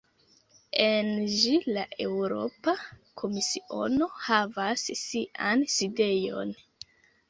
En ĝi la Eŭropa Komisiono havas sian sidejon.